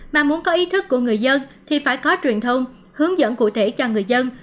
mà muốn có ý thức của người dân thì phải có truyền thông hướng dẫn cụ thể cho người dân